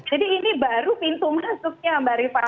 jadi ini baru pintu masuknya mbak rifana